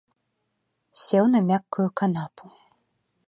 Сеў на мяккую канапу.